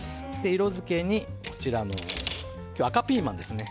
色づけにこちらの赤ピーマンですね。